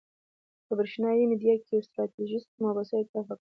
په برېښنایي میډیا کې یو ستراتیژیست مبصر اعتراف وکړ.